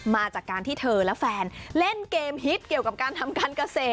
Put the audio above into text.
มาจากการที่เธอและแฟนเล่นเกมฮิตเกี่ยวกับการทำการเกษตร